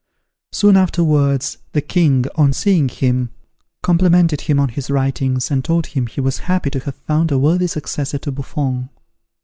Soon afterwards, the King, on seeing him, complimented him on his writings and told him he was happy to have found a worthy successor to Buffon.